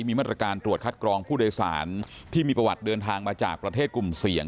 มีมาตรการตรวจคัดกรองผู้โดยสารที่มีประวัติเดินทางมาจากประเทศกลุ่มเสี่ยง